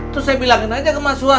terus saya bilangin aja ke mas suha